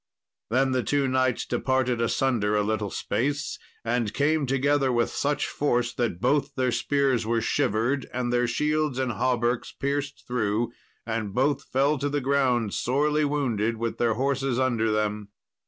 Then the two knights departed asunder a little space, and came together with such force, that both their spears were shivered, and their shields and hauberks pierced through; and both fell to the ground sorely wounded, with their horses under them.